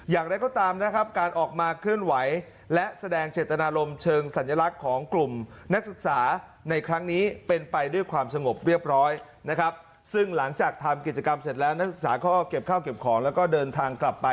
อย่างไรก็ตามนะครับการออกมาเคลื่อนไหวและแสดงเฉตนารมณ์เชิงสัญลักษณ์ของกลุ่มนักศึกษาในครั้งนี้เป็นไปด้วยความสงบเรียบร้อยนะครับ